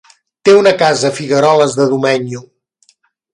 Té una casa a Figueroles de Domenyo.